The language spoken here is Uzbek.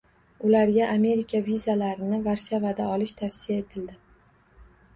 Ularga Amerika vizalarini Varshavada olish tavsiya etildi